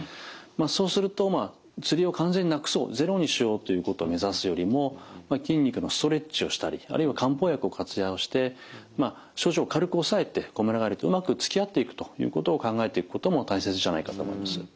そうするとつりを完全になくそうゼロにしようということを目指すよりも筋肉のストレッチをしたりあるいは漢方薬を活用して症状を軽く抑えてこむら返りとうまくつきあっていくということを考えていくことも大切じゃないかと思います。